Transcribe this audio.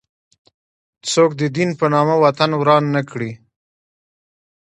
څوک د دین په نامه وطن وران نه کړي.